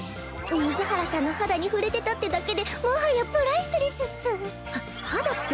水原さんの肌に触れてたってだけでもはやプライスレスっス。は肌って。